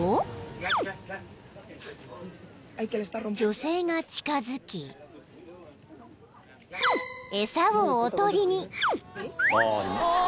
［女性が近づき餌をおとりに］